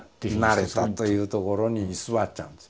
なれたというところに居座っちゃうんです。